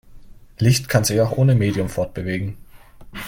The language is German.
Licht kann sich auch ohne Medium fortbewegen.